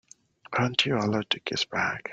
Aren't you allowed to kiss back?